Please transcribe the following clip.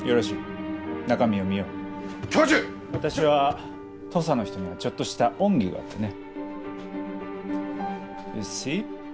私は土佐の人にはちょっとした恩義があってね。